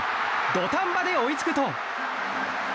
土壇場で追いつくと。